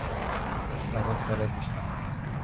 তাকে ছেড়ে দিস না।